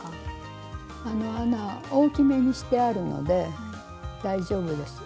あの穴大きめにしてあるので大丈夫です。